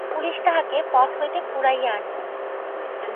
Police তাহাকে পথ হইতে কুড়াইয়া আনিয়াছে।